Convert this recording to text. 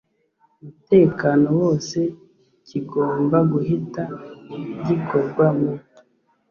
mutekano wose kigomba guhita gikorwa mu